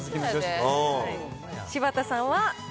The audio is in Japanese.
柴田さんは。